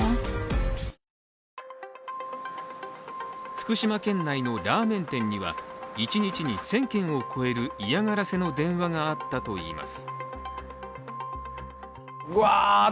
福島県内のラーメン店には一日に１０００件を超える嫌がらせの電話があったといいます。